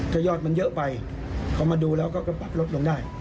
ถ้ายอดมันเยอะไปพอมาดูแล้วก็ปรับลดลงได้